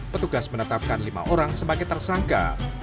petugas menetapkan lima orang sebagai tersangka